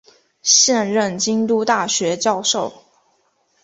现任京都大学教授。